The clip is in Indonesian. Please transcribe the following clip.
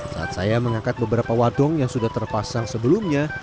saat saya mengangkat beberapa wadung yang sudah terpasang sebelumnya